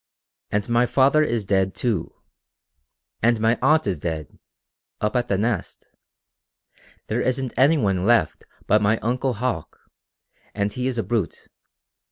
And my father is dead, too. And my aunt is dead up at the Nest. There isn't any one left but my uncle Hauck, and he is a brute.